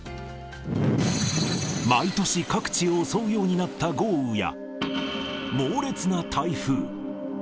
毎年、各地を襲うようになった豪雨や猛烈な台風。